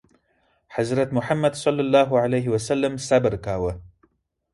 حضرت محمد ﷺ صبر کاوه.